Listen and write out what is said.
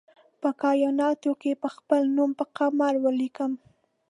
په کائیناتو کې به خپل نوم پر قمر ولیکم